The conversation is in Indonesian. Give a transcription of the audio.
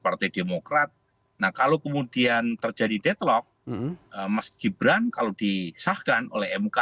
partai demokrat nah kalau kemudian terjadi deadlock mas gibran kalau disahkan oleh mk